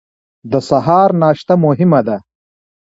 د سهار ناشته مهمه ده